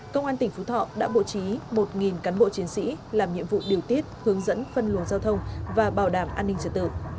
công an tỉnh phú thọ đã bố trí một cán bộ chiến sĩ làm nhiệm vụ điều tiết hướng dẫn phân luồng giao thông và bảo đảm an ninh trật tự